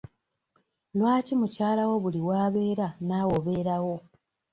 Lwaki mukyalawo buli w'abeera naawe obeerawo?